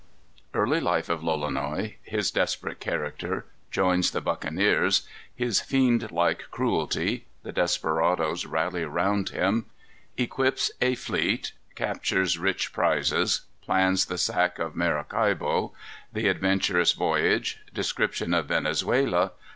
_ Early Life of Lolonois. His Desperate Character. Joins the Buccaneers. His Fiend like Cruelty. The Desperadoes Rally around Him. Equips a Fleet. Captures Rich Prizes. Plans the Sack of Maracaibo. The Adventurous Voyage. Description of Venezuela.